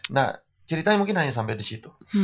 nah ceritanya mungkin hanya sampai di situ